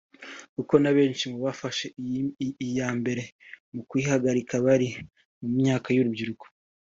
kuko n’abenshi mu bafashe iya mbere mu kuyihagarika bari mu myaka y’urubyiruko